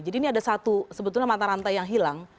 jadi ini ada satu sebetulnya mata rantai yang hilang